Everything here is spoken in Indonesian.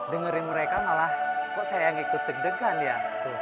dengerin mereka malah kok saya yang ikut deg degan ya